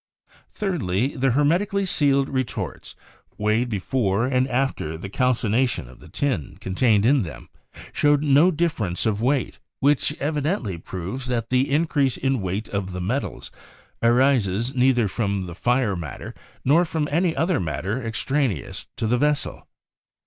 "Thirdly. The hermetically sealed retorts, weighed be fore and after the calcination of the tin contained in them, showed no difference of weight, which evidently proves that the increase in weight of the metals arises neither from the fire matter nor from any other matter extraneous to the vessel.